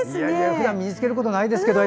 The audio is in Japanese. ふだん身に着けることないですけど。